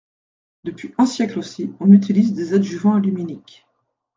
Depuis un siècle aussi, on utilise des adjuvants aluminiques.